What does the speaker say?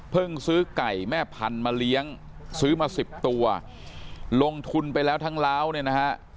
ซื้อไก่แม่พันธุ์มาเลี้ยงซื้อมาสิบตัวลงทุนไปแล้วทั้งล้าวเนี่ยนะฮะ